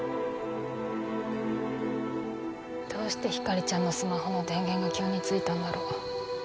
どうして光莉ちゃんのスマホの電源が急についたんだろう？